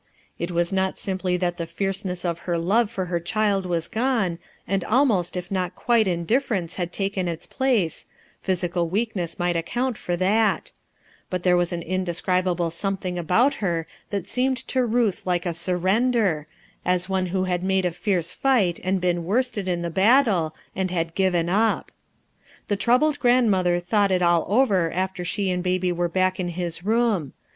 It was not simply that the fierceness of her love for her chUd was gone, and almost if not quite m u if_ ference taken its place, physical weakness might account for that; but there was an indescrib able something about her that seemed to Ruth like a surrender, as one who had made a fierce fight and been worsted in the battle and had <:ivcu up. The troubled grandmother thought it all over after she and baby were back in his room.